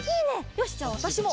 よしじゃあわたしも！